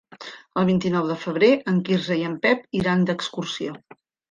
El vint-i-nou de febrer en Quirze i en Pep iran d'excursió.